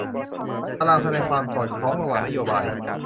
ตารางแสดงความสอดคล้องระหว่างนโยบาย